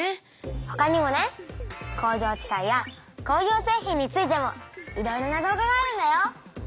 ほかにもね工業地帯や工業製品についてもいろいろな動画があるんだよ。